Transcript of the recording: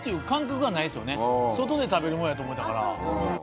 外で食べるもんやと思てたから。